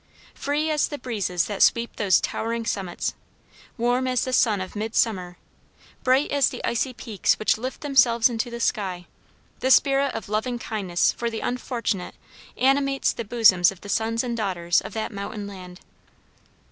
Free as the breezes that sweep those towering summits, warm as the sun of midsummer, bright as the icy peaks which lift themselves into the sky, the spirit of loving kindness for the unfortunate animates the bosoms of the sons and daughters of that mountain land.